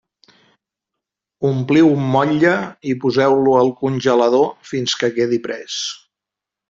Ompliu un motlle i poseu-lo al congelador fins que quedi pres.